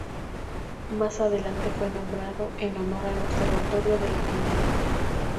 Más adelante fue nombrado en honor al Observatorio de La Cañada.